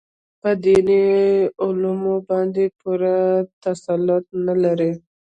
په دیني علومو باندې پوره تسلط نه لري.